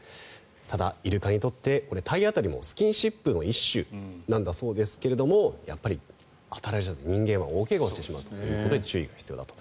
ただ、イルカにとって体当たりもスキンシップの一種なんだそうですがやっぱり当たられると人間は大怪我をしてしまうということで注意が必要だと。